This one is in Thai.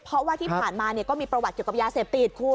เพราะว่าที่ผ่านมาก็มีประวัติเกี่ยวกับยาเสพติดคุณ